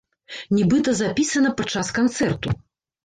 Нібыта запісана падчас канцэрту!